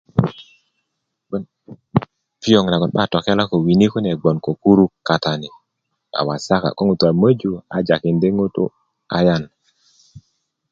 piyoŋ nagon 'ba tokela ko wini kune gboŋ ko kuru katani a wasaka ko ŋutu' a möju a jakindi' ŋutuu ayan